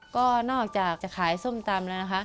ก็นอกจากจะขายส้มตำแล้วนะคะ